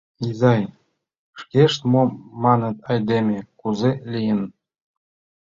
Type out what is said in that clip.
— Изай, шкешт мом маныт: айдеме кузе лийын?